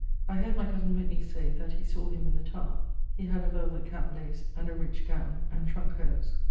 I heard my cosen Whitney say that he saw him in the Tower. He had a velvet cap laced, and a rich gowne, and trunke hose.